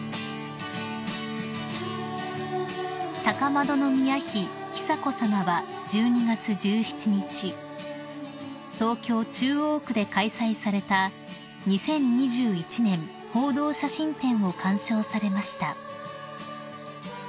［高円宮妃久子さまは１２月１７日東京中央区で開催された２０２１年報道写真展を鑑賞されました］